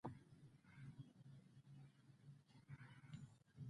بزګر له سپوږمۍ تر لمر پورې کار کوي